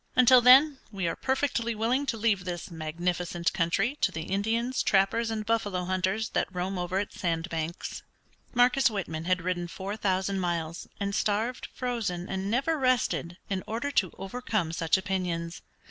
Until then, we are perfectly willing to leave this magnificent country to the Indians, trappers and buffalo hunters that roam over its sand banks." Marcus Whitman had ridden four thousand miles, and starved, frozen, and never rested in order to overcome such opinions.